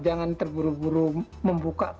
jangan terburu buru membuka